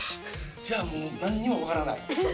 じゃあもうなんにもわからない。